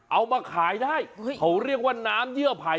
เอามาขายได้เขาเรียกว่าน้ำเยื่อไผ่